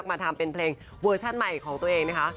มาทำเป็นเพลงเวอร์ชั่นใหม่ของตัวเองนะคะ